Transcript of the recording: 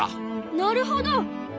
なるほど。